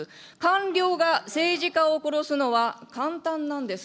官僚が政治家を殺すのは簡単なんです。